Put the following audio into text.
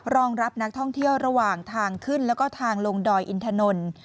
รองรับนักท่องเที่ยวระหว่างทางขึ้นแล้วก็ทางลงดอยอินทนนท์